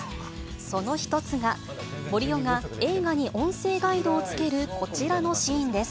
その一つが、森生が映画に音声ガイドを付けるこちらのシーンです。